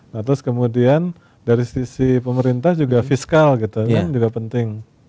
nah terus kemudian dari sisi pemerintah juga fiskal gitu kan juga penting